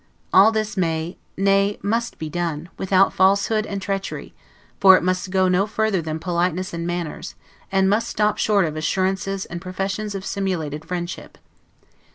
All this may, nay must be done, without falsehood and treachery; for it must go no further than politeness and manners, and must stop short of assurances and professions of simulated friendship.